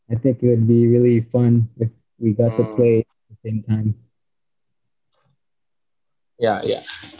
aku pikir akan sangat menyenangkan kalau kita bisa bermain sama sekali